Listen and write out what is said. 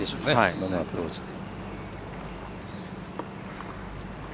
今のアプローチで。